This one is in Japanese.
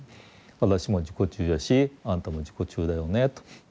私も自己中やしあなたも自己中だよねと。